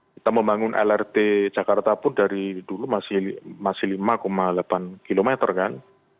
kita membangun lrt jakarta pun dari dulu masih lima delapan kilometer kan